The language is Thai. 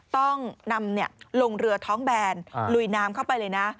ต้องนำลงเรือท้องแบนลุยน้ำเข้าไปเลยนะ